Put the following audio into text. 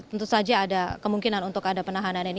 tentu saja ada kemungkinan untuk ada penahanan ini